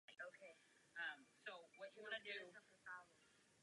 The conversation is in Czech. Vnitřní membrána je zásadní z hlediska funkčnosti mitochondrie.